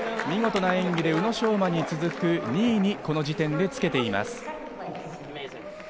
見事な演技で宇野昌磨に続く２位にこの時点でつけています。